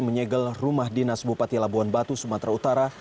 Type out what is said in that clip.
menyegel rumah dinas bupati labuan batu sumatera utara